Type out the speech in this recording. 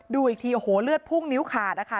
ดูอีกทีโอ้โหเลือดพุ่งนิ้วขาดนะคะ